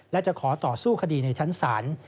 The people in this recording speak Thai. และจะขอต่อสู้คดีในชั้นศาล